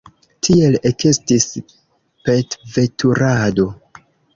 Tiel ekestis petveturado!